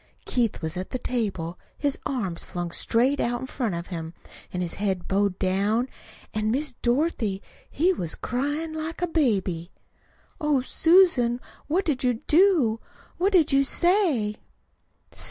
Keith was at the table, his arms flung straight out in front of him, an' his head bowed down. An', Miss Dorothy, he was cryin' like a baby." "Oh, Susan, what did you do? What did you say?"